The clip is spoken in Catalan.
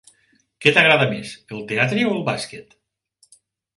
Què t'agrada més, el teatre o el bàsquet?